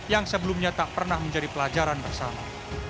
yang sebelumnya tak pernah menjadi pelajaran bersama